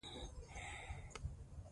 ډيپلوماسی د ملتونو ترمنځ د سولې بنسټ دی.